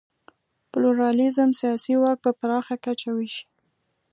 پلورالېزم سیاسي واک په پراخه کچه وېشي.